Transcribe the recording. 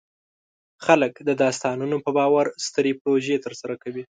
خلک د داستانونو په باور سترې پروژې ترسره کوي.